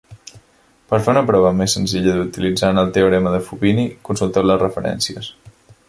Per fer una prova més senzilla utilitzant el teorema de Fubini, consulteu les referències.